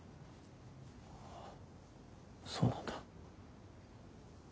ああそうなんだ。